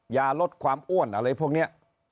ยาลดความอ้วนอะไรพวกนี้